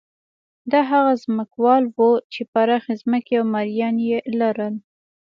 دا هغه ځمکوال وو چې پراخې ځمکې او مریان یې لرل.